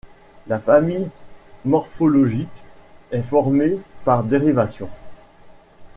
La famille morphologique est formée par dérivation.